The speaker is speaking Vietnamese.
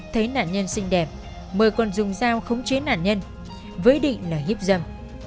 thấy nạn nhân xinh đẹp mời còn dùng dao khống chế nạn nhân với định là hiếp dâm